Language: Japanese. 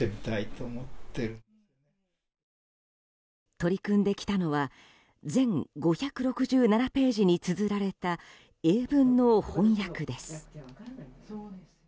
取り組んできたのは全５６７ページにつづられた英文の翻訳です。